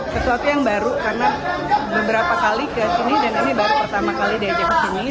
sesuatu yang baru karena beberapa kali ke sini dan kami baru pertama kali diajak ke sini